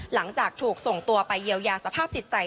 หลังจากถูกส่งตัวไปเยียวยาสภาพจิตใจ